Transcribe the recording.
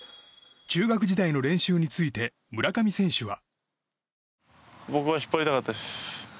中学時代の練習について村上選手は。